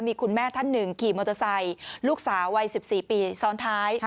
มีคุณแม่ท่านหนึ่งขี่มอเตอร์ไซค์ลูกสาววัย๑๔ปีซ้อนท้าย